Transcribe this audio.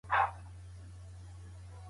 الله دې موږ ټولو ته توفیق راکړي.